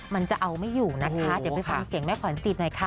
มันจะเอาไม่อยู่นะคะเดี๋ยวไปฟังเสียงแม่ขวัญจิตหน่อยค่ะ